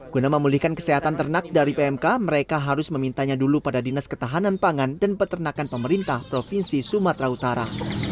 guna memulihkan kesehatan ternak dari pmk mereka harus memintanya dulu pada dinas ketahanan pangan dan peternakan pemerintah provinsi sumatera utara